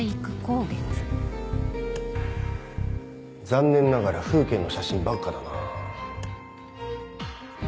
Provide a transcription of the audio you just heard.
残念ながら風景の写真ばっかだなぁ。